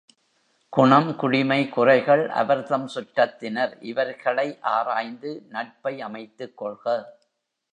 குணம், குடிமை, குறைகள், அவர்தம் சுற்றத்தினர் இவர்களை ஆராய்ந்து நட்பை அமைத்துக்கொள்க.